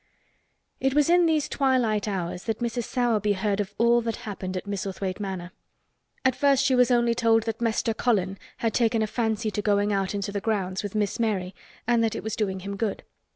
It was in these twilight hours that Mrs. Sowerby heard of all that happened at Misselthwaite Manor. At first she was only told that "Mester Colin" had taken a fancy to going out into the grounds with Miss Mary and that it was doing him good.